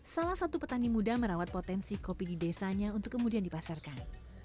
salah satu petani muda merawat potensi kopi di desanya untuk kemudian dipasarkan